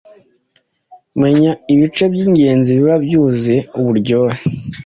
Menya ibice by’ingenzi biba byuzuye uburyohe